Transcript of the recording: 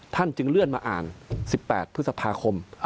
ท่านจึงเลื่อนมาอ่าน๑๘พฤษภาคม